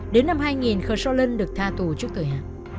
đến năm hai nghìn khởi sô lân được tha tù trước thời hạn